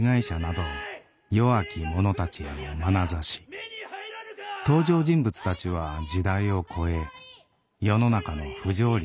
登場人物たちは時代を超え世の中の不条理に立ち向かっていく。